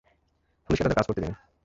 পুলিশকে তাদের কাজ করতে দিন।